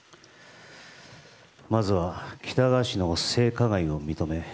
まずは、喜多川氏の性加害を認め